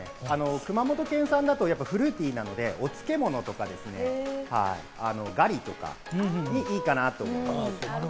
熊本県産だとフルーティーなので、お漬物とか、ガリとかにいいかなと。